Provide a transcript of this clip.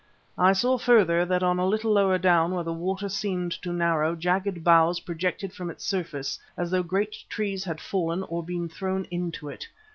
I saw, further, that a little lower down where the water seemed to narrow, jagged boughs projected from its surface as though great trees had fallen, or been thrown into it.